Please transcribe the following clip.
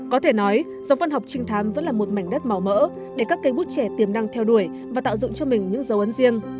có thể nói dòng văn học trinh thám vẫn là một mảnh đất màu mỡ để các cây bút trẻ tiềm năng theo đuổi và tạo dụng cho mình những dấu ấn riêng